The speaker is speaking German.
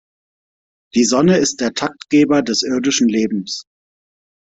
Die Sonne ist der Taktgeber des irdischen Lebens.